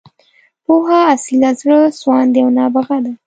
پوهه، اصیله، زړه سواندې او نابغه ده.